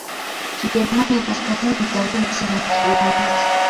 Kijerumani ya Kaskazini ni karibu sana na Kiholanzi.